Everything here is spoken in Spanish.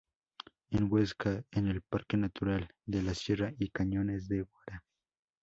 En Huesca, en el Parque Natural de la Sierra y Cañones de Guara.